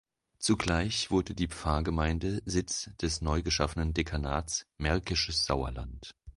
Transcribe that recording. Zugleich wurde die Pfarrgemeinde Sitz des neu geschaffenen Dekanats Märkisches Sauerland.